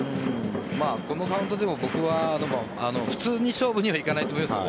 このカウントでも僕は普通に勝負にはいかないと思います。